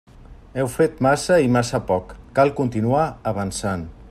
Heu fet massa i massa poc; cal continuar avançant.